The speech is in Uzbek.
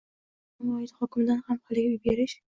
Yaqinda Andijon viloyati hokimidan ham haligi uy berish